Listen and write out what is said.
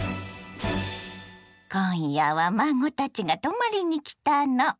今夜は孫たちが泊まりに来たの。